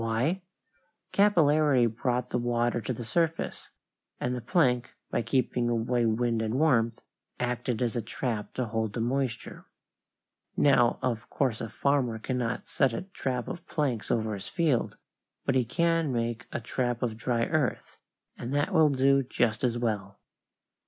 Why? Capillarity brought the water to the surface, and the plank, by keeping away wind and warmth, acted as a trap to hold the moisture. Now of course a farmer cannot set a trap of planks over his fields, but he can make a trap of dry earth, and that will do just as well.